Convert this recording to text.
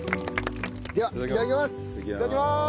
ではいただきます。